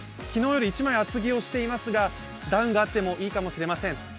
昨日より１枚厚着をしていますが、ダウンがあってもいいかもしれません。